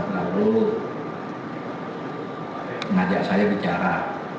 lalu mengajak saya bicara